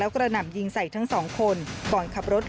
วันที่สุด